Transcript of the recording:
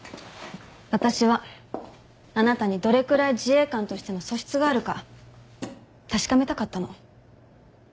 私はあなたにどれくらい自衛官としての素質があるか確かめたかったの。